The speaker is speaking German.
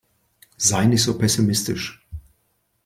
Sei nicht so pessimistisch.